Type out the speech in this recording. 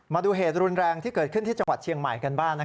มาดูเหตุรุนแรงที่เกิดขึ้นที่จังหวัดเชียงใหม่กันบ้าง